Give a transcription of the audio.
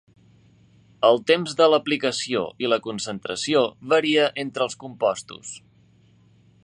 El temps de l'aplicació i la concentració varia entre els compostos.